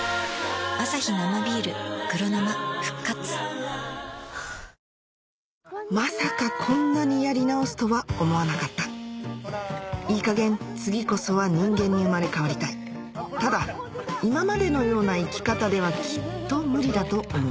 こうして人生４周目がスタートしたまさかこんなにやり直すとは思わなかったいいかげん次こそは人間に生まれ変わりたいただ今までのような生き方ではきっと無理だと思う